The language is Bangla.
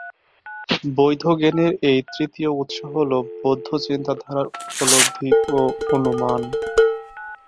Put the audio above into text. বৈধ জ্ঞানের এই তৃতীয় উৎস হল বৌদ্ধ চিন্তাধারার উপলব্ধি ও অনুমান।